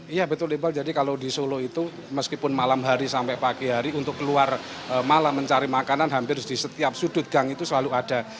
iya betul iqbal jadi kalau di solo itu meskipun malam hari sampai pagi hari untuk keluar malam mencari makanan hampir di setiap sudut gang itu selalu ada